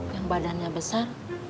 yang badannya besar